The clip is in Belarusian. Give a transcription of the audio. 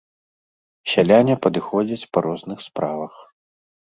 Сяляне падыходзяць па розных справах.